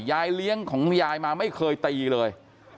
ยายเลี้ยงของยายมาไม่เคยตีเลย